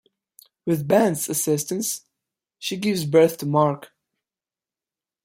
With Ben's assistance, she gives birth to Mark.